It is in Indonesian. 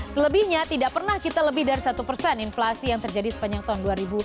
selebihnya tidak pernah kita lebih dari satu persen inflasi yang terjadi sepanjang tahun dua ribu tujuh belas